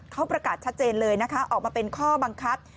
เขาประกาศชัดเจนเลยนะคะออกมาเป็นข้อบังคับ